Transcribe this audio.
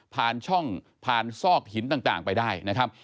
ผ่านช่องผ่านซอกหินต่างไปได้นะครับ